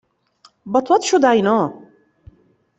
But what should I know?